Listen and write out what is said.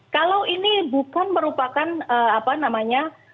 kalau ini bukan merupakan apa namanya